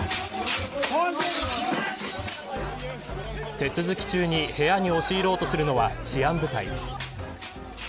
手続き中に部屋に押し入ろうとするのは治安部隊。